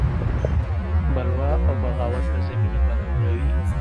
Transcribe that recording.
بلوا او بغاوت ته زمینه برابروي.